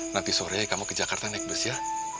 nanti sore kamu ke jakarta naik bus ya